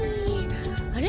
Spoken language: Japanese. あれ？